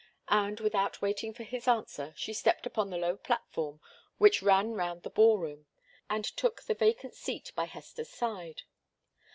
And without waiting for his answer, she stepped upon the low platform which ran round the ball room, and took the vacant seat by Hester's side.